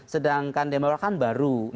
sedangkan demokrat kan baru